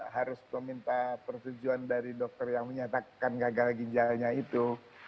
harus meminta persetujuan dari dokter yang menyatakan gagal ginjalnya itu